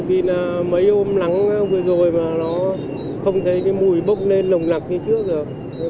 vì mấy hôm lắng vừa rồi mà nó không thấy mùi bốc lên lồng lặc như trước rồi